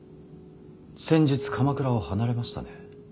先日鎌倉を離れましたね。